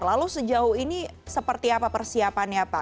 lalu sejauh ini seperti apa persiapannya pak